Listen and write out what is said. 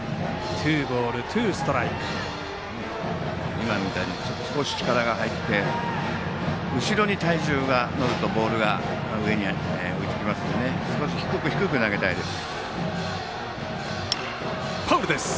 今みたいに少し力が入って後ろに体重が乗るとボールが上に浮いてきますから少し低く投げたいです。